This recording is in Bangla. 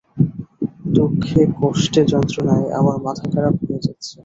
দুঃখে কষ্টে যন্ত্রণায় আমার মাথাখারাপ হয়ে যাচ্ছে।